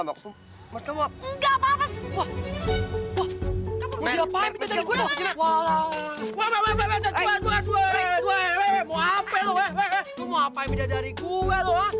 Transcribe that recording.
mau apaan pindah dari gue loh